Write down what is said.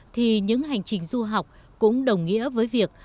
thì những hành trình du học cũng đồng nghĩa với việc